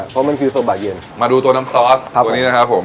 เพราะมันคือโซบาเย็นมาดูตัวน้ำซอสครับตัวนี้นะครับผม